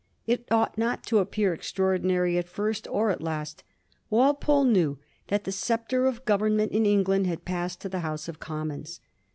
It ought not to appear extraordinary at first or at last. Wal pole knew that the sceptre of government in England had passed to the House of Commons.